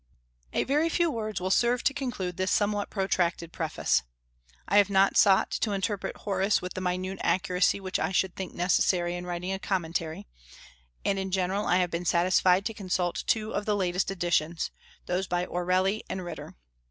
A very few words will serve to conclude this somewhat protracted Preface. I have not sought to interpret Horace with the minute accuracy which I should think necessary in writing a commentary; and in general I have been satisfied to consult two of the latest editions, those by Orelli and Ritter.